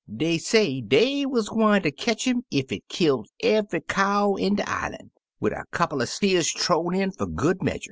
Dey say dey wuz gwine ter ketch 'im ef it kilt eve'y cow in de island, wid a couple er steers thow'd in fer good medjur.